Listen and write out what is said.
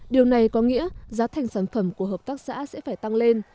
điều này có nghĩa giá thành sản phẩm của hợp tác xã sẽ phải tăng lên